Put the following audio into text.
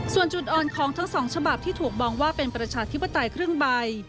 ส่วนจุดอ่อนของทั้งสองฉบับที่ถูกมองว่าเป็นประชาธิปไตยครึ่งใบ